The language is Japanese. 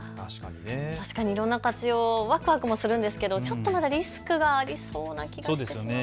確かにいろんな活用、わくわくもするんですがまだちょっとリスクがありそうな気もしますね。